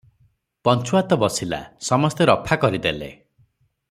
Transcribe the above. ପଞ୍ଚୁଆତ ବସିଲା, ସମସ୍ତେ ରଫା କରି ଦେଲେ ।